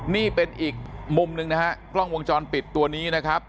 นี่เป็นอีกมุมหนึ่งนะฮะกล้องวงจรปิดตัวนี้นะครับ